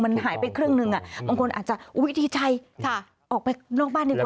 มันหายไปครึ่งหนึ่งบางคนอาจจะดีใจออกไปนอกบ้านดีกว่า